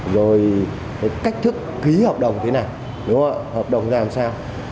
rồi cách thức ký hợp đồng thế nào hợp đồng làm sao